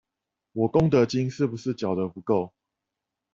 我功德金是不是繳得不夠？